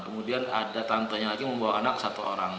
kemudian ada tantenya lagi membawa anak satu orang